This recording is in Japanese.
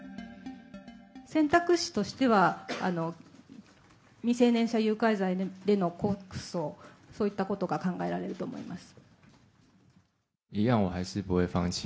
選択肢としては、未成年者誘拐罪での告訴、そういったことが考えられると思います。